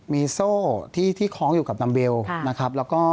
มีโซ่ที่คล้องอยู่กับดัมเบลนะครับแล้วก็